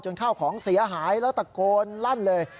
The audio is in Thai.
ข้าวของเสียหายแล้วตะโกนลั่นเลย